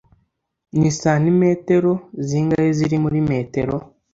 Ni santimetero zingahe ziri muri metero?